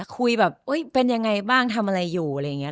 คุยแบบเป็นยังไงบ้างทำอะไรอยู่อะไรอย่างนี้